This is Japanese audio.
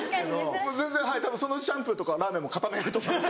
全然たぶんそのシャンプーとかラーメンも固めると思います。